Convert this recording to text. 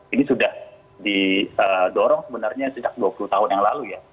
ini sudah didorong sebenarnya sejak dua puluh tahun yang lalu ya